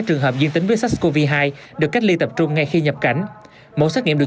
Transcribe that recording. trường hợp diễn tính với sars cov hai được cách ly tập trung ngay khi nhập cảnh một xét nghiệm được